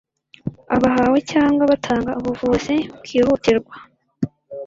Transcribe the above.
Abahawe cyangwa batanga ubuvuzi bwihutirwa